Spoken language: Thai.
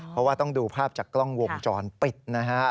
เพราะว่าต้องดูภาพจากกล้องวงจรปิดนะฮะ